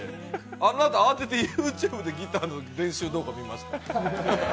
あのあと慌ててＹｏｕＴｕｂｅでギターの練習動画を見ました。